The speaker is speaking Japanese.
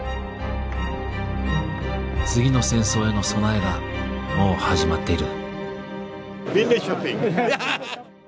次の戦争への備えがもう始まっている。